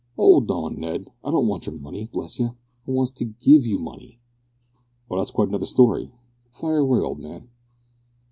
"'Old on, Ned, I don't want yer money, bless yer. I wants to give you money." "Oh! that's quite another story; fire away, old man."